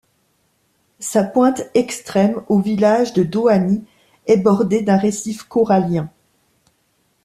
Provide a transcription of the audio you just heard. Sa pointe extrême, au village de Doany, est bordée d'un récif corallien.